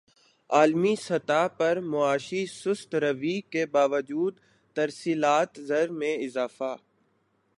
عالمی سطح پر معاشی سست روی کے باوجود ترسیلات زر میں اضافہ